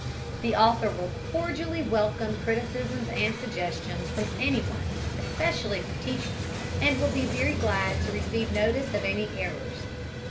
The author will cordially welcome criticisms and suggestions from any one, especially from teachers, and will be very glad to receive notice of any errors.